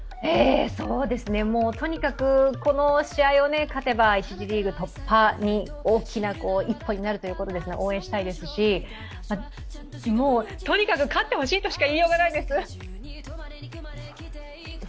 もうとにかく、この試合を勝てば１次リーグ突破の大きな一歩になるということですので応援したいですしもう、とにかく勝ってほしいとしか言いようがないです。